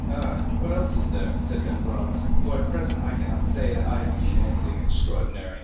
"Ah, what else is there?" said Danglars; "for, at present, I cannot say that I have seen anything extraordinary.